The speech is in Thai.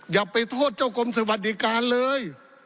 อย่าไปโทษเจ้ากรมสวัสดิการเลย